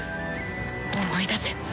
思い出せ！